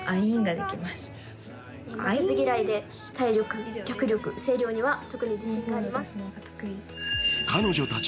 負けず嫌いで体力、脚力声量には特に自信があります。